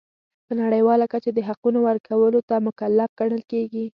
په نړیواله کچه د حقونو ورکولو ته مکلف ګڼل کیږي.